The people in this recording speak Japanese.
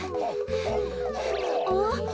あっ？